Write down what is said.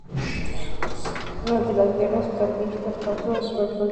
Durante las guerras Carlistas pasó al cuerpo de tierra.